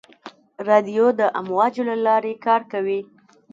رادیو د امواجو له لارې کار کوي.